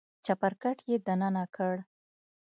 چپرکټ يې دننه کړ.